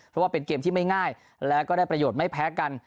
เพราะว่าเป็นเกมที่ไม่ง่ายแล้วก็ได้ประโยชน์ไม่แพ้กัน